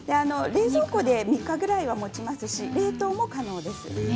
冷蔵庫で３日ぐらいはもちますし冷凍も可能です。